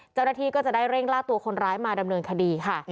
เจ้าหน้าที่ก็จะได้เร่งล่าตัวคนร้ายมาดำเนินคดีค่ะ